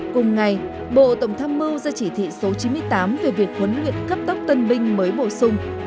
cùng ngày bộ tổng tham mưu ra chỉ thị số chín mươi tám về việc huấn luyện cấp tốc tân binh mới bổ sung